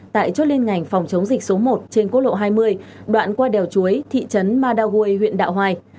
tại chốt liên ngành phòng chống dịch số một trên quốc lộ hai mươi đoạn qua đèo chuối thị trấn madaway huyện đạo hoài